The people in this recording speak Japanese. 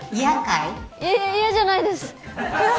嫌じゃないです。